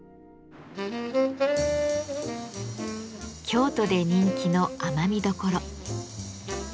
京都で人気の甘味どころ。